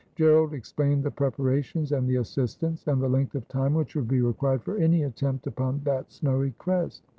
Gerald explained the preparations and the assistance, and the length of time which would be required for any attempt upon that snowy crest.